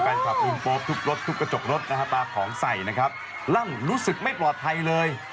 การขับลุมปลาถึกรถทุกกระจกรถเปล่าคล้องใสนะครับร่างรู้สึกไม่ปลอดภัยเลย